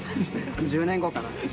１０年後かな。